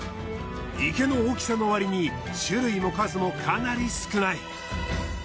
池の大きさの割に種類も数もかなり少ない。